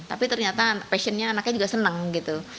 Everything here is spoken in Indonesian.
tapi ternyata passionnya anaknya juga senang gitu